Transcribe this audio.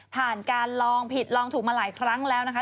การลองผิดลองถูกมาหลายครั้งแล้วนะคะ